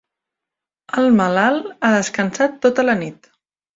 El malalt ha descansat tota la nit.